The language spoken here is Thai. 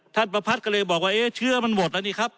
ท่านปภัฒน์ก็เลยบอกว่าเชื้อมันหมดแล้วนี่ครับ